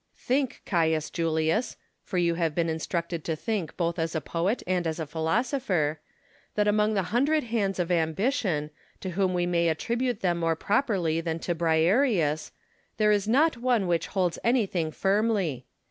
Think, Caius Julius (for you have been instructed to think both as a poet and as a philosopher), that among the hundred hands of Ambition, to whom we may attribute them more properly than to Briareus, there is not one which holds anything firmly.